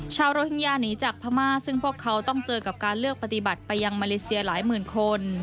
โรฮิงญาหนีจากพม่าซึ่งพวกเขาต้องเจอกับการเลือกปฏิบัติไปยังมาเลเซียหลายหมื่นคน